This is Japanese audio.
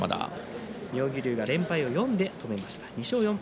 妙義龍が連敗を４で止めました。